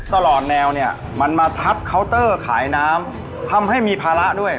ตลอดแนวเนี่ยมันมาทับเคาน์เตอร์ขายน้ำทำให้มีภาระด้วย